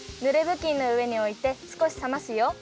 ぶきんのうえにおいてすこしさますよ。